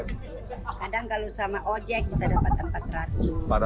kadang kalau sama ojek bisa dapat empat ratus